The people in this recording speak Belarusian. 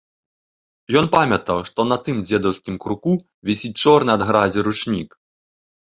Ён памятаў, што на тым дзедаўскім круку вісіць чорны ад гразі ручнік.